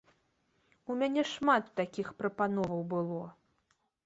У мяне шмат такіх прапановаў было.